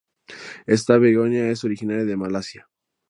Esta begonia es originaria de Malasia.